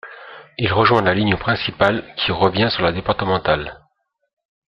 Il rejoint la ligne principale qui revient sur la départementale.